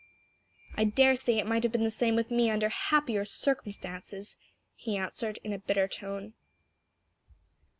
"I daresay; it might have been the same with me under happier circumstances," he answered in a bitter tone.